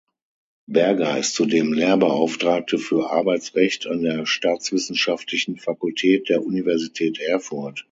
Berger ist zudem Lehrbeauftragte für Arbeitsrecht an der Staatswissenschaftlichen Fakultät der Universität Erfurt.